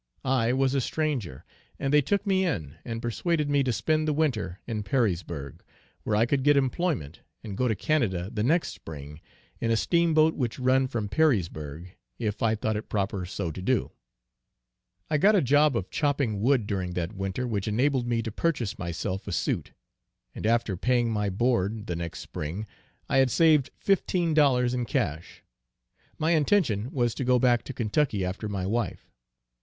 I was a stranger, and they took me in and persuaded me to spend the winter in Perrysburgh, where I could get employment and go to Canada the next spring, in a steamboat which run from Perrysburgh, if I thought it proper so to do. I got a job of chopping wood during that winter which enabled me to purchase myself a suit, and after paying my board the next spring, I had saved fifteen dollars in cash. My intention was to go back to Kentucky after my wife.